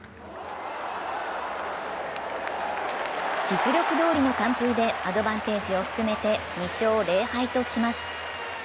実力どおりの完封でアドバンテージを含めて２勝０敗とします。